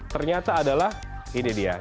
ternyata adalah ini dia